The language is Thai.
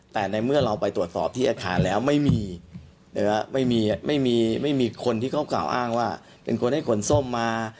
แต่ในเมื่อเราไปตรวจสอบที่อาคารแล้วไม่มีไม่มีคนที่เขากล่าวอ้างว่าเป็นคนให้ขนส้มมา